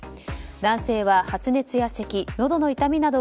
男性は発熱やせきのどの痛みなどを